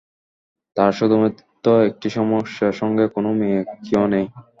তার শুধুমাত্র একটি সমস্যা সঙ্গে কোন মেয়ে কেউ নেই।